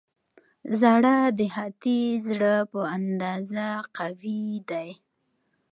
زړه د هاتي زړه په اندازه قوي دی.